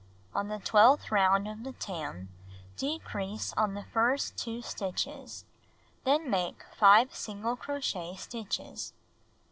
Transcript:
On the twelfth round of the tam, decrease on the first 2 stitches, then make 5 single crochet stitches.